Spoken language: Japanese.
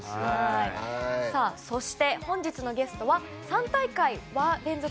そして、本日のゲストは３大会連続